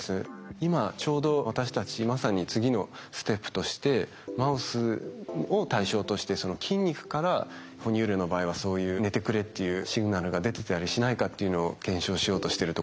今ちょうど私たちまさに次のステップとしてマウスを対象としてその筋肉から哺乳類の場合はそういう「寝てくれ」っていうシグナルが出てたりしないかっていうのを検証しようとしてるところです。